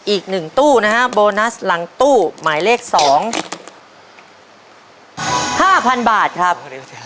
อีกหนึ่งตู้นะฮะโบนัสหลังตู้หมายเลขสองห้าพันบาทครับ